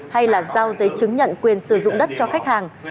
hay là giao giấy chứng nhận quyền sử dụng đất cho khách hàng